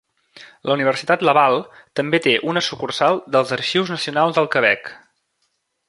La Universitat Laval també té una sucursal dels Arxius Nacionals del Quebec.